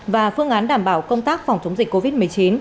và phương án đảm bảo công tác phòng chống dịch covid một mươi chín